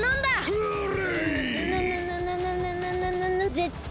それ！